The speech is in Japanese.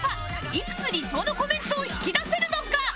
いくつ理想のコメントを引き出せるのか？